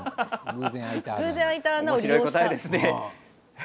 偶然開いた穴を利用した。